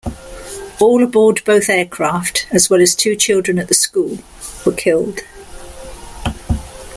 All aboard both aircraft, as well as two children at the school, were killed.